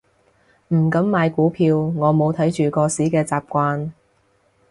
唔敢買股票，我冇睇住個市嘅習慣